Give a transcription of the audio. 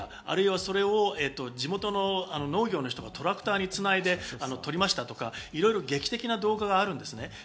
あるいはそれを地元の農業の人がトラクターにつないで撮りましたとか、いろいろ劇的な動画があるんですね。